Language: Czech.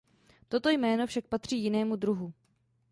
Toto jméno však patří jinému druhu.